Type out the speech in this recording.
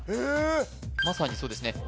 まさにそうですね